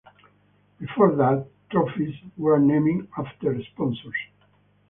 Before that, trophies were named after sponsors.